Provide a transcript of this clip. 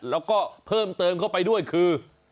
แล้วก็เพิ่มเติมเข้าไปด้วยคือ